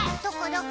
どこ？